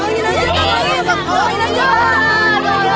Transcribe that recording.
ayah kamu jangan nangis lagi ya